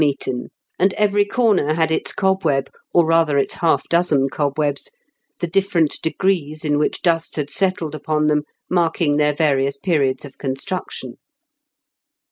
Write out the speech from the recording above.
23d carpet was worm eaten, and every corner had its cobweb, or rather its half dozen cobwebs, the different degrees in which dust had settled upon them marking their various periods of construction.